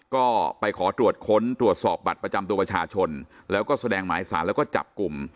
ก็ไปขอตรวจค้นตรวจสอบบัตรประจำตัวประชาชนแล้วก็แสดงหมายสารแล้วก็จับกลุ่ม